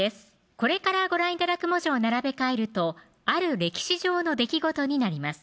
これからご覧頂く文字を並べ替えるとある歴史上の出来事になります